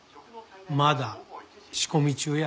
まだ仕込み中や。